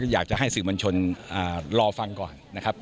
อยากจะให้สื่อบัญชนรอฟังก่อน